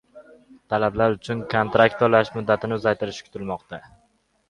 Talabalar uchun kontrakt to‘lash muddati uzaytirilishi kutilmoqda